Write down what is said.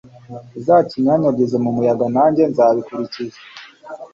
uzakinyanyagize mu muyaga nanjye nzabikurikiza